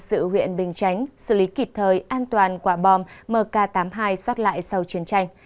sự huyện bình chánh xử lý kịp thời an toàn quả bom mk tám mươi hai xót lại sau chiến tranh